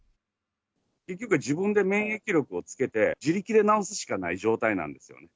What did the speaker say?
結局は自分で免疫力をつけて、自力で治すしかない状態なんですよね。